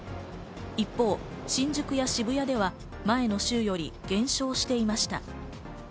一方、新宿や渋谷では前の週より減少していました。